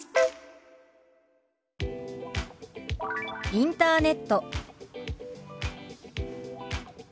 「インターネット」。